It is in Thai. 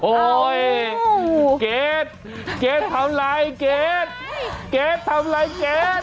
โอ้โฮเกรทเกรททำอะไรเกรทเกรททำอะไรเกรท